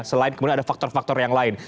selain kemudian ada faktor faktor yang lain